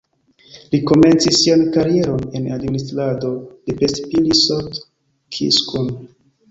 Li komencis sian karieron en administrado de Pest-Pilis-Solt-Kiskun.